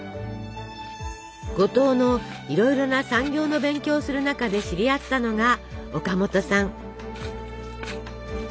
五島のいろいろな産業の勉強をする中で知り合ったのが岡本さん。